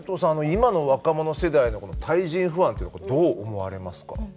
今の若者世代の対人不安っていうのどう思われますか？